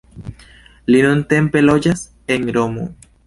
Li nuntempe loĝas en Romo.